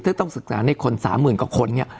ซึ่งต้องศึกษาในคน๓๐๐๐๐กว่าคน